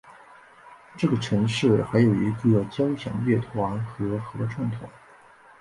这个城市还有一个交响乐团和合唱团。